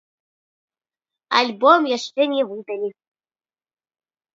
Альбом яшчэ не выдалі.